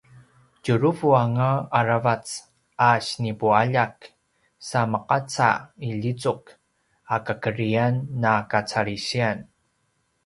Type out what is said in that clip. tjuruvu anga aravac a sinipualjak sa meqaca i lizuk a kakedriyan na kacalisiyan